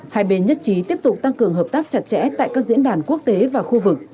hai bên nhất trí tiếp tục tăng cường hợp tác chặt chẽ tại các diễn đàn quốc tế và khu vực